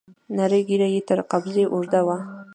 نرۍ ږيره يې تر قبضه اوږده وه.